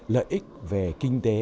lợi ích về kinh tế